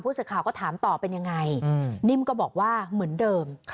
สื่อข่าวก็ถามต่อเป็นยังไงนิ่มก็บอกว่าเหมือนเดิม